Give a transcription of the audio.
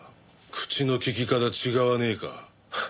口の利き方違わねえか？